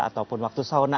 ataupun waktu sauna